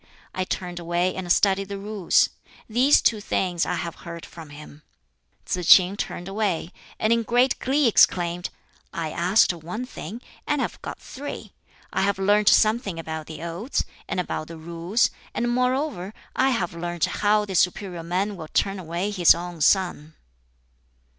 I turned away and studied the Rules. These two things I have heard from him." Tsz k'in turned away, and in great glee exclaimed, "I asked one thing, and have got three. I have learnt something about the Odes, and about the Rules, and moreover I have learnt how the superior man will turn away his own son."